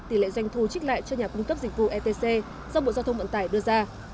tỷ lệ doanh thu trích lại cho nhà cung cấp dịch vụ etc do bộ giao thông vận tải đưa ra